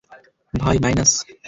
ভাই, মাইনাস?